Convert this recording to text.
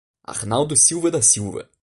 Arnaldo Silva da Silva